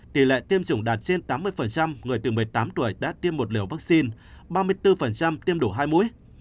tỷ lệ tiêm chủng đạt trên tám mươi người từ một mươi tám tuổi đã tiêm một liều vaccine ba mươi bốn tiêm đủ hai mũi